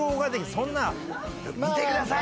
そんな「見てください！」